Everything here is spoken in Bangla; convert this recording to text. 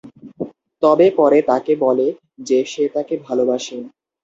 তবে পরে তাকে বলে যে সে তাকে ভালবাসে।